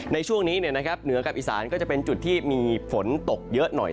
ในช่วงนี้เหนือกับอีสานก็จะเป็นจุดที่มีฝนตกเยอะหน่อย